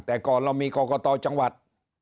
แต่ก่อนเรามีกรกตจังหวัด